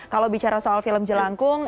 kalau bicara soal film jelangkung